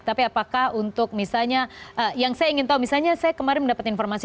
tapi apakah untuk misalnya yang saya ingin tahu misalnya saya kemarin mendapat informasi